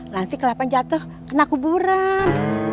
lansi kelapa jatuh kena kuburan